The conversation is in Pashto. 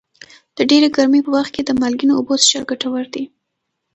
د ډېرې ګرمۍ په وخت کې د مالګینو اوبو څښل ګټور دي.